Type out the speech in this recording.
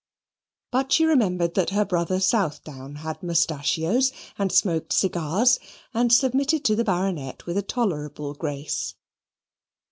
But she remembered that her brother Southdown had mustachios, and smoked cigars, and submitted to the Baronet with a tolerable grace.